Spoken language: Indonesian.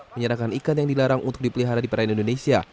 menyerahkan ikan yang dilarang untuk dipelihara di perairan indonesia